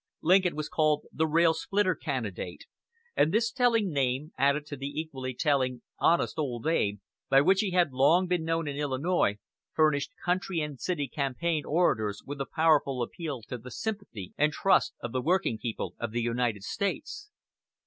Lincoln was called the "Rail splitter Candidate," and this telling name, added to the equally telling "Honest Old Abe," by which he had long been known in Illinois, furnished country and city campaign orators with a powerful appeal to the sympathy and trust of the working people of the United States.